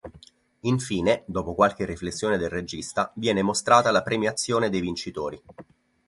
Infine, dopo qualche riflessione del regista, viene mostrata la premiazione dei vincitori.